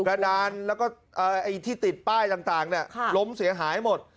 กระดานแล้วก็ที่ติดป้ายต่างล้มเสียหายหมด